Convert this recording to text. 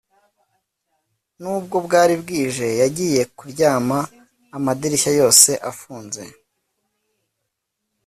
Nubwo bwari bwije yagiye kuryama amadirishya yose afunze